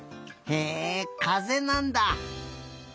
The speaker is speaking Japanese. へえかぜなんだ。